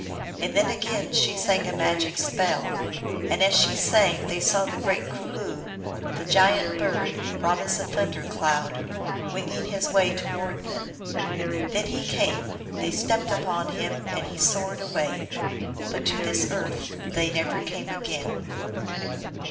So then again she sang a magic spell, and as she sang they saw the great Cul loo, the giant bird, broad as a thunder cloud, winging his way towards them. Then he came ; they stepped upon him, and he soared away. But to this earth they never came again.